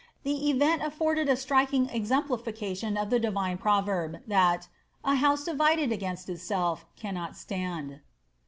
The event aflbrded a striking exemplification of the Divine proverb, that ^a house divided against itself cannot suind."